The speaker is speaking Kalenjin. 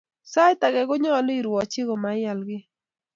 Sait ake konyolu irwoch chi amaiyil kiy